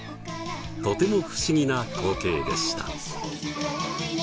とても不思議な光景でした。